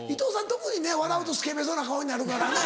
特にね笑うとスケベそうな顔になるからね。